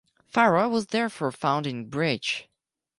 Farah was therefore found in breach.